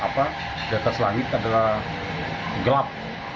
di atas langit adalah gelap